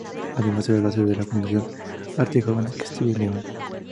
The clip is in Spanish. Además será la sede de la Fundación Arte Joven de Castilla y León.